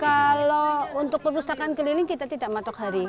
kalau untuk perpustakaan keliling kita tidak matok hari